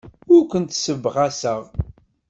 Ur kent-ssebɣaseɣ.